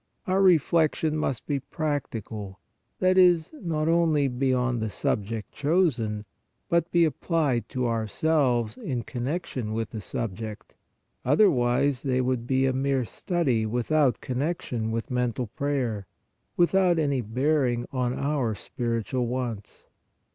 Our reflec tions must be practical, that is, not only be on the subject chosen, but be applied to ourselves in con nection with the subject, otherwise they would be a mere study without connection with mental prayer, without any bearing on our spiritual wants.